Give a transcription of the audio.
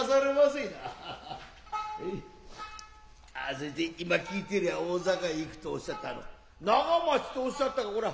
それで今聞いて居りゃ大坂行くとおっしゃったが長町とおっしゃったがこら